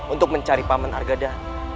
untuk mencari paman argada